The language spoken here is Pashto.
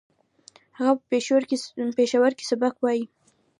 هغه په پېښور کې سبق وايي